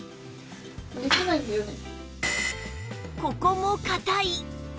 ここも硬い